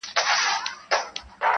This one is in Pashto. • سړي راوستی ښکاري تر خپله کوره,